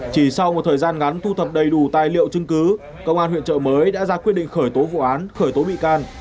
chỉ sau một thời gian ngắn thu thập đầy đủ tài liệu chứng cứ công an huyện trợ mới đã ra quyết định khởi tố vụ án khởi tố bị can